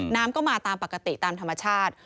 น้ำก็มาตามปกติตามธรรมชาติ